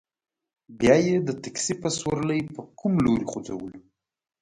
بیا یې د تکسي په سورلۍ په کوم لوري ځوځولو.